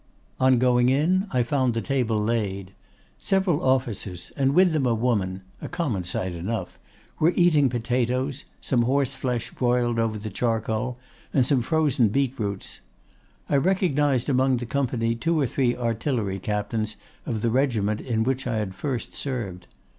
On going in, I found the table laid. Several officers, and with them a woman—a common sight enough—were eating potatoes, some horseflesh broiled over the charcoal, and some frozen beetroots. I recognized among the company two or three artillery captains of the regiment in which I had first served.